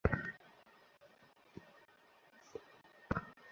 কিন্তু ওর বাবা আর্মিদের ডাক্তার ছিল, কোন যা তা মানুষ ছিল না।